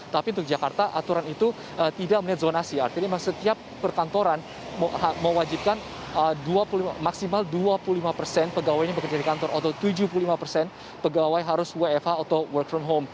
tapi untuk jakarta aturan itu tidak menet zonasi artinya setiap perkantoran mewajibkan maksimal dua puluh lima persen pegawai yang bekerja di kantor atau tujuh puluh lima persen pegawai harus wfh